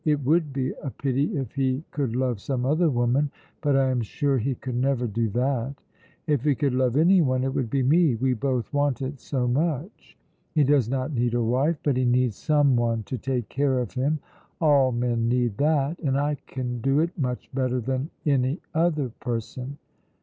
It would be a pity if he could love some other woman, but I am sure he could never do that. If he could love anyone it would be me, we both want it so much. He does not need a wife, but he needs someone to take care of him all men need that; and I can do it much better than any other person.